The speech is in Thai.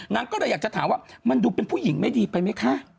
นางก็เลยอยากจะถามว่ามันดูเป็นผู้หญิงไม่ดีไปไหมคะ